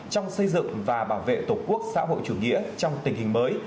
trong xây dựng và bảo vệ tổ quốc xã hội chủ nghĩa trong tình hình mới